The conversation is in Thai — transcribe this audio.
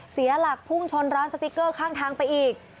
เสียหลักพุ่งชนร้านสติ๊กเกอร์ข้างทางไปอีก